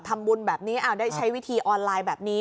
ทำบุญแบบนี้ได้ใช้วิธีออนไลน์แบบนี้